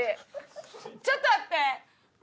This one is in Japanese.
ちょっと待って！